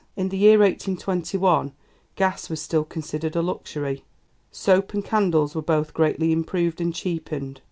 In the year 1821 gas was still considered a luxury; soap and candles were both greatly improved and cheapened.